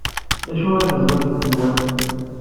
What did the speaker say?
D acu ay teẓrid deg tenwalt?